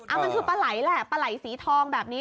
อ้าวมันคือปลายแหละปลายสีทองแบบนี้